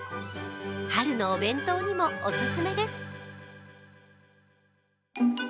春のお弁当にもお勧めです。